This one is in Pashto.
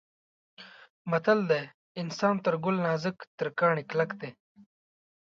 متل دی: انسان تر ګل نازک تر کاڼي کلک دی.